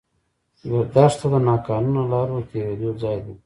دښته د ناقانونه لارو تېرېدو ځای ده.